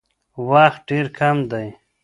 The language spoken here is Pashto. وخت ډېر کم دی.